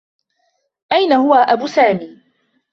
أين هو أب سامي؟